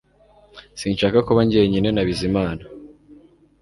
Sinshaka kuba njyenyine na Bizimana